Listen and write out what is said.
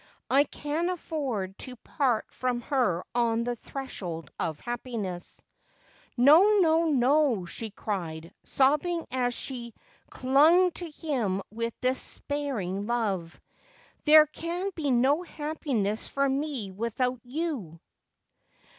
I can afford to part from her on the threshold of happiness.' ' No, no, no,' she cried, sobbing as she clung to him with despairing love. ' There can be no happiness for me without you.'